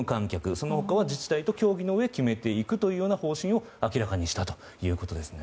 その他は自治体と協議のうえ決めていくという方針を明らかにしたということですね。